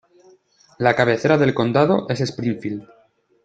La cabecera del condado es Springfield.